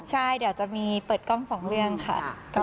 ใช่เดี๋ยวจะมีเปิดกล้อง๒เรื่องค่ะ